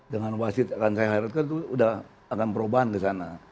dengan wasit akan saya hiratkan itu sudah akan perubahan kesana